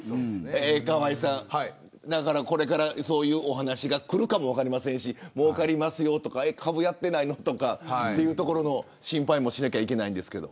河井さん、これからそういうお話がくるかもしれませんしもうかりますよとか株やっていないのとかというところの心配もしないといけないですけど。